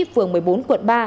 phường một mươi bốn quận ba